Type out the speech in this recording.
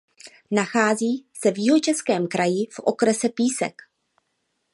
Nachází se v Jihočeském kraji v okrese Písek.